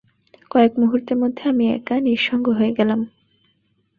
কয়েক মুহূর্তের মধ্যে আমি একা, নিঃসঙ্গ হয়ে গেলাম।